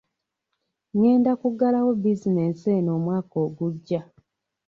Ngenda kuggalawo bizinensi eno omwaka ogujja.